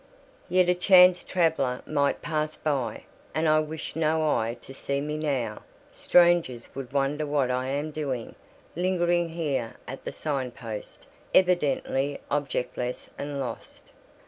Yet a chance traveller might pass by; and I wish no eye to see me now: strangers would wonder what I am doing, lingering here at the sign post, evidently objectless and lost.